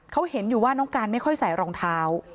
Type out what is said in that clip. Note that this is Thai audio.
เขาเห็นอยู่ว่าน้องการไม่ค่อยใส่รองเท้า